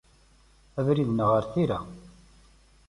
Abrid-nneɣ ar tira.